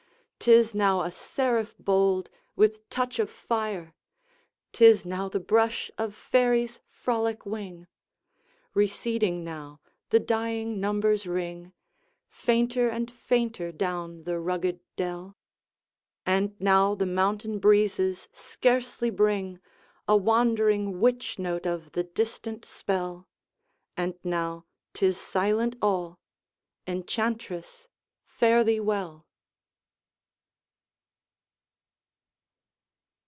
'Tis now a seraph bold, with touch of fire, 'Tis now the brush of Fairy's frolic wing. Receding now, the dying numbers ring Fainter and fainter down the rugged dell; And now the mountain breezes scarcely bring A wandering witch note of the distant spell And now, 'tis silent all! Enchantress, fare thee well!